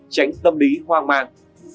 tránh tâm lý hoang mạn